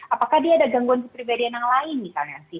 apakah dia ada gangguan kepribadian yang lain misalnya